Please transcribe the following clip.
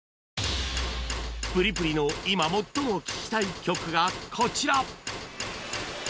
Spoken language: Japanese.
プリプリの今最も聴きたい曲がこちら！